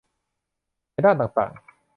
ในด้านต่างต่าง